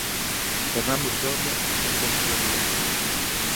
Fernández Soria ten posto de relevo.